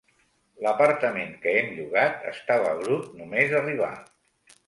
L'apartament que hem llogat estava brut només arribar.